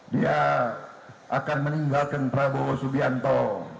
dia akan meninggalkan prabowo subianto